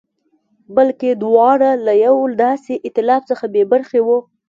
بلکې دواړه له یوه داسې اېتلاف څخه بې برخې وو.